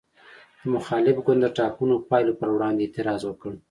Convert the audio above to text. د مخالف ګوند د ټاکنو پایلو پر وړاندې اعتراض وکړ.